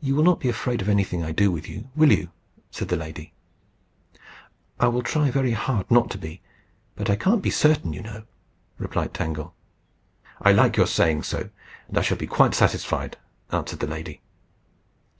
"You will not be afraid of anything I do with you will you?" said the lady. "I will try very hard not to be; but I can't be certain, you know," replied Tangle. "I like your saying so, and I shall be quite satisfied," answered the lady.